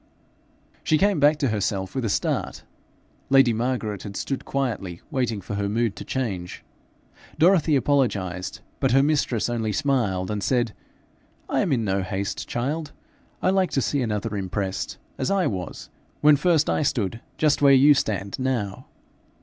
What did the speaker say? She came again to herself with a start. Lady Margaret had stood quietly waiting for her mood to change. Dorothy apologised, but her mistress only smiled and said, 'I am in no haste, child. I like to see another impressed as I was when first I stood just where you stand now.